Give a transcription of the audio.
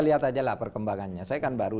lihat aja lah perkembangannya saya kan baru